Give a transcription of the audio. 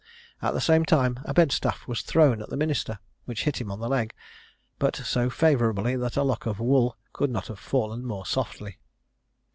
At the same time, a bed staff was thrown at the minister, which hit him on the leg, but so favourably, that a lock of wool could not have fallen more softly."